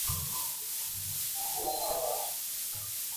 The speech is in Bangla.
একটা সামরিক পরিবহণ বিমান, জ্বালানী ট্যাংক পূর্ণ লাগবে।